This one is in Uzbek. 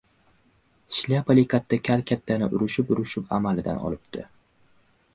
Shlyapali katta kal kattani urishib-urishib, amalidan olibdi.